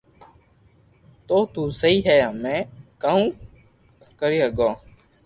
تو تو سھي ھي ھمي ڪاو ر ھگو